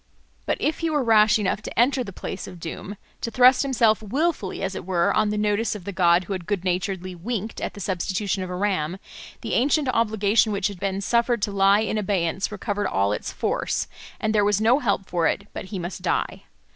But if he were rash enough to enter the place of doom, to thrust himself wilfully, as it were, on the notice of the god who had good naturedly winked at the substitution of a ram, the ancient obligation which had been suffered to lie in abeyance recovered all its force, and there was no help for it but he must die.